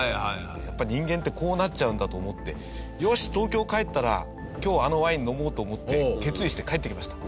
やっぱり人間ってこうなっちゃうんだと思ってよし東京帰ったら今日あのワイン飲もうと思って決意して帰ってきました。